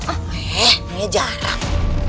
eh namanya jarang